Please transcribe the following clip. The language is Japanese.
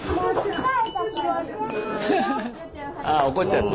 あ怒っちゃった。